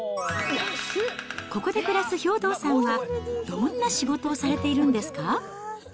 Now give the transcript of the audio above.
ここで暮らす兵働さんはどんな仕事をされているんですか？